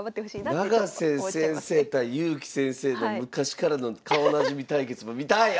永瀬先生対勇気先生の昔からの顔なじみ対決も見たい！